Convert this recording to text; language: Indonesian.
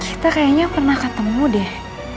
kita kayaknya pernah ketemu deh